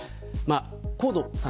河野さん